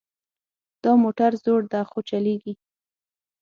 دا موټر زوړ ده خو چلیږي